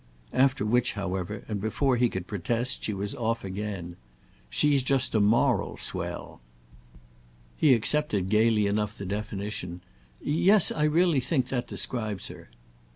_" After which however, and before he could protest, she was off again. "She's just a moral swell." He accepted gaily enough the definition. "Yes—I really think that describes her."